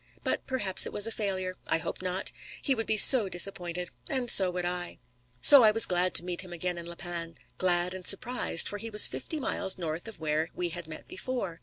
But perhaps it was a failure. I hope not. He would be so disappointed and so would I. So I was glad to meet him again at La Panne glad and surprised, for he was fifty miles north of where we had met before.